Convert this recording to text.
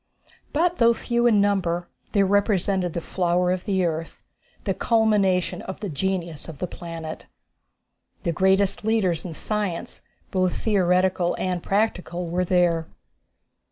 But though few in numbers, they represented the flower of the earth, the culmination of the genius of the planet. The greatest leaders in science, both theoretical and practical, were there.